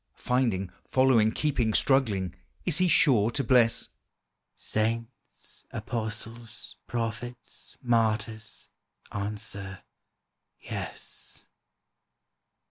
Finding, following, keeping, struggling, Is He sure to bless? "Saints, apostles, prophets, martyrs, Answer, Yes."